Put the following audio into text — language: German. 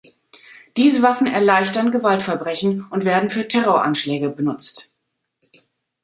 Diese Waffen erleichtern Gewaltverbrechen und werden für Terroranschläge benutzt.